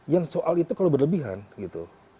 yang soal itu kalau berlebihan gitu